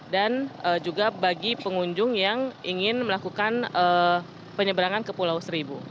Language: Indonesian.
dan juga bagi pengunjung yang ingin melakukan penyeberangan ke pulau seribu